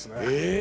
え！